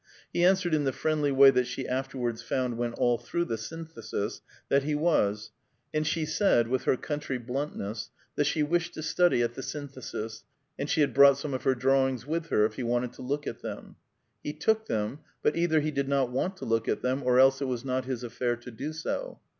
He answered in the friendly way that she afterwards found went all through the Synthesis, that he was, and she said, with her country bluntness, that she wished to study at the Synthesis, and she had brought some of her drawings with her, if he wanted to look at them. He took them, but either he did not want to look at them, or else it was not his affair to do so.